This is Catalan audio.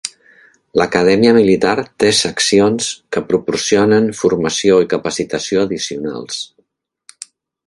L'acadèmia militar té seccions, que proporcionen formació i capacitació addicionals.